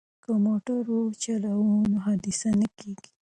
که موټر ورو وچلوو نو حادثه نه کیږي.